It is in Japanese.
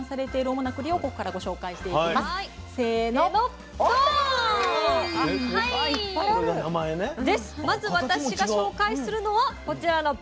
まず私が紹介するのはこちらの「ぽろたん」。